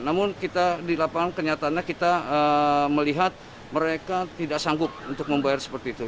namun kita di lapangan kenyataannya kita melihat mereka tidak sanggup untuk membayar seperti itu